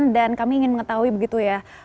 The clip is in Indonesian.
dan kami ingin mengetahui begitu ya